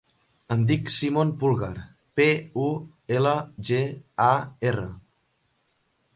Em dic Simon Pulgar: pe, u, ela, ge, a, erra.